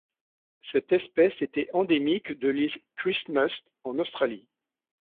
Cette espèce était endémique de l'île Christmas en Australie.